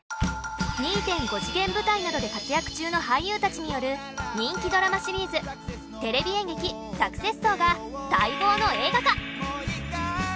２．５次元舞台などで活躍中の俳優たちによる人気ドラマシリーズ『テレビ演劇サクセス荘』が待望の映画化。